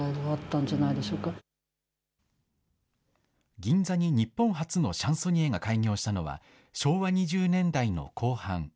銀座に日本初のシャンソニエが開業したのは、昭和２０年代の後半。